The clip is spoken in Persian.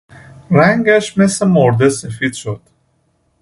رنگش مثل مرده سفید شد.